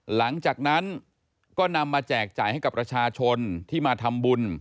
หลังจากนั้นก็นำมาแจกจ่ายให้กับประชาชนที่มาทำบุญ